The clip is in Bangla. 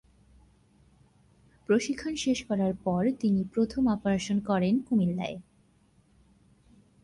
প্রশিক্ষণ শেষ করার পর তিনি প্রথম অপারেশন করেন কুমিল্লায়।